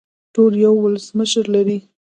ټول یو ولسمشر لري